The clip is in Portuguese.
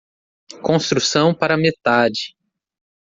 Construção para metade